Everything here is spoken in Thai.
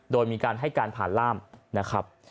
โดยมีการให้การผ่านล่ามนะครับ